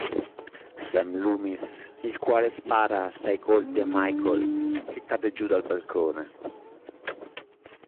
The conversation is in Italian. Sam Loomis, il quale spara sei colpi a Michael, che cade giù dal balcone.